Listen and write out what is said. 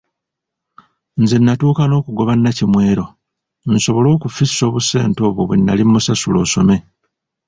Nze natuuka n’okugoba Nakimwero, nsobole okufissa obusente obwo bwe nnali musasula osome.